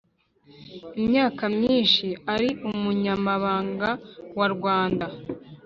imyaka myinshi ari umunyamabanga wa Rwanda